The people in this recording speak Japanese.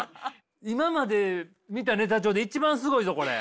今まで見たネタ帳で一番すごいぞこれ。